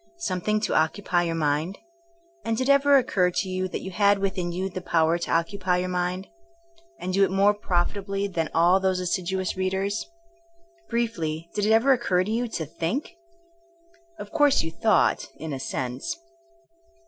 — something to occupy your mind''! And did it ever occur to you that you had within you the power to occupy THINKINO AS A SOIENOE 3 your mindy and do it more profitably than all those assiduous readers! Briefly, did it ever occur to you to think? Of course you thought*' — ^in a sense.